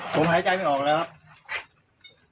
ผมหายใจไม่ออกแล้วครับ